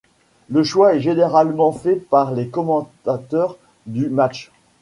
Le choix est généralement fait par les commentateurs du match.